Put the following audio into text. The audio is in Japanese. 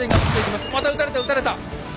また撃たれた撃たれた！